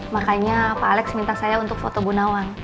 makanya pak alex minta saya untuk foto bu nawang